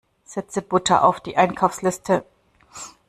Setze Butter auf die Einkaufsliste!